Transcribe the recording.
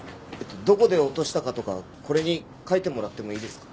どこで落としたかとかこれに書いてもらってもいいですか？